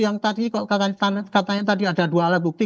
yang tadi katanya tadi ada dua alat bukti